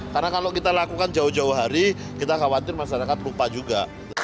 karena kalau kita lakukan jauh jauh hari kita khawatir masyarakat lupa juga